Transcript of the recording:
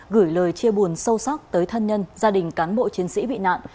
gửi lời chia buồn sâu sắc tới thân nhân gia đình cán bộ chiến sĩ bị nạn